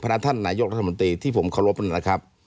พนักท่านนายกรัฐมนตรีที่ผมขอบคุณนะครับ